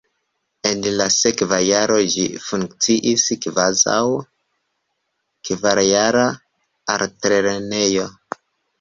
En la sekva jaro ĝi funkciis kvazaŭ kvarjara altlernejo.